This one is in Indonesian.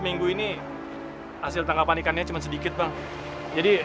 pengertian pake kilowatt dan kapasitas